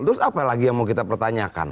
terus apa lagi yang mau kita pertanyakan